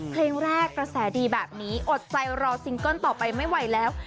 เพลงแรกกระแสดีแบบนี้อดใจรอซิงเกิ้ลต่อไปไม่ไหวแล้ว